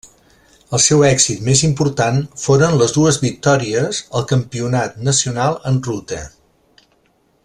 El seu èxit més important foren les dues victòries al Campionat nacional en ruta.